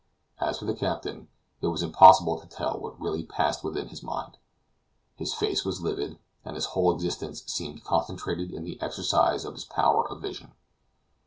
As for the captain, it was impossible to tell what really passed within his mind; his face was livid, and his whole existence seemed concentrated in the exercise of his power of vision.